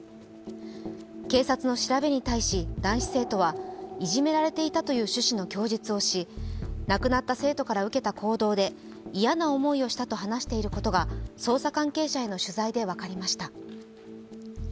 警察の調べに対し男子生徒は、いじめられていたという趣旨の供述をし、亡くなった生徒から受けた行動で嫌な思いをしたと話していることが捜査関係者への取材で分かりました。